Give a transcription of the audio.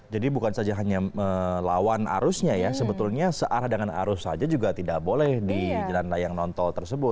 jadi bukan saja hanya melawan arusnya ya sebetulnya searah dengan arus saja juga tidak boleh di jalan layang nontol tersebut